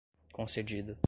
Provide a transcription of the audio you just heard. concedida